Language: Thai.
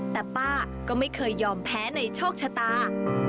แต่ป้าก็ไม่เคยยอมแพ้ในโชคชะตา